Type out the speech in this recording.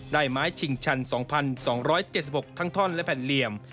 ไม้ชิงชัน๒๒๗๖ทั้งท่อนและแผ่นเหลี่ยม